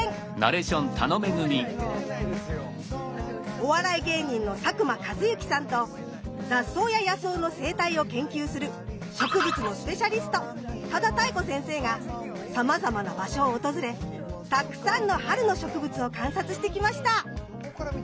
お笑い芸人の佐久間一行さんと雑草や野草の生態を研究する植物のスペシャリスト多田多恵子先生がさまざまな場所を訪れたくさんの春の植物を観察してきました。